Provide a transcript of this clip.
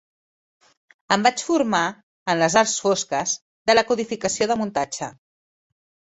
Em vaig formar en les arts fosques de la codificació de muntatge.